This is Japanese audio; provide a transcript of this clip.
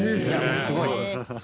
すごい。